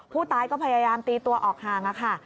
ผู้ตายก็พยายามตีตัวออกห่างค่ะ